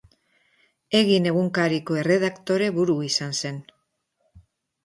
Egin egunkariko erredaktore buru izan zen.